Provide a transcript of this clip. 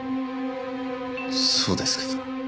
そうですけど。